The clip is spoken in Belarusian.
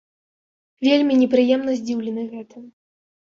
Вельмі непрыемна здзіўлены гэтым.